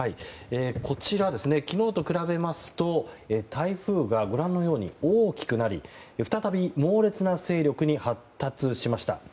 こちら、昨日と比べますと台風がご覧のように大きくなり、再び猛烈な勢力に発達しました。